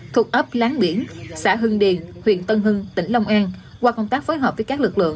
thuộc ấp láng biển xã hưng điền huyện tân hưng tỉnh long an qua công tác phối hợp với các lực lượng